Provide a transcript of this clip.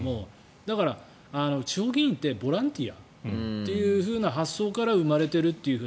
だから地方議員ってボランティアっていうふうな発想から生まれていると。